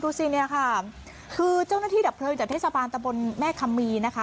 สิเนี่ยค่ะคือเจ้าหน้าที่ดับเพลิงจากเทศบาลตะบนแม่คำมีนะคะ